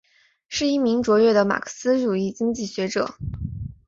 是一名卓越的马克思主义经济学者。